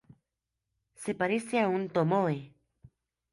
Se parece a un tomoe.